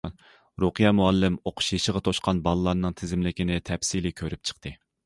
رۇقىيە مۇئەللىم ئوقۇش يېشىغا توشقان بالىلارنىڭ تىزىملىكىنى تەپسىلىي كۆرۈپ چىقتى.